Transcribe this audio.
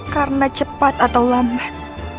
karena cepat atau lambat